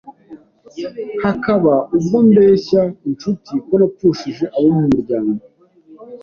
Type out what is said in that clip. hakaba ubwo mbeshya inshuti ko napfushije abo mu muryango